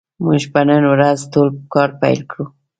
موږ به نن ورځ نوی کار پیل کړو